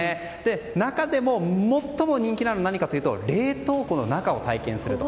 中でも最も人気なのは何かというと冷凍庫の中を体験すると。